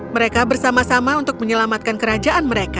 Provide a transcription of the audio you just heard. mereka bersama sama untuk menyelamatkan kerajaan mereka